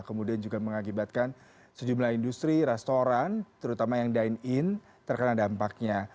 kemudian juga mengakibatkan sejumlah industri restoran terutama yang dine in terkena dampaknya